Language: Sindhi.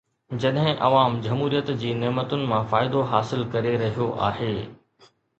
جڏهن عوام جمهوريت جي نعمتن مان فائدو حاصل ڪري رهيو آهي.